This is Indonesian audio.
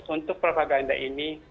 untuk propaganda ini